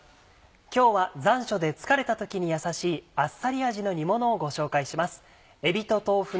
今日は残暑で疲れた時に優しいあっさり味の煮物をご紹介します。